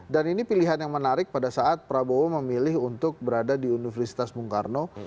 dan ini pilihan yang menarik pada saat prabowo memilih untuk berada di universitas bung karno